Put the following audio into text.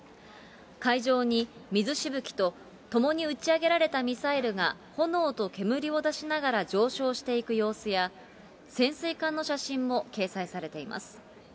海上に水しぶきと、共に打ち上げられたミサイルが炎と煙を出しながら上昇していく様子や、潜水艦の写真も掲載されています。